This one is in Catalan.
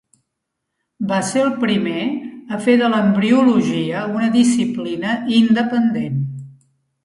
Va ser el primer a fer de l'embriologia una disciplina independent.